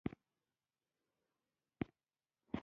خټین بوټونه یې پورته ولاړ و، لاسونه یې تر سر لاندې کړل.